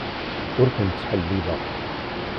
Ur ken-ttḥellileɣ.